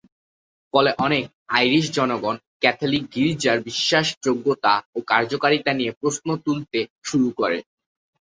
ফলে অনেক আইরিশ জনগণ ক্যাথলিক গির্জার বিশ্বাসযোগ্যতা ও কার্যকারিতা নিয়ে প্রশ্ন তুলতে শুরু করে।